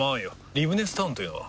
リブネスタウンというのは？